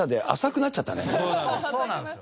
そうなんですよ。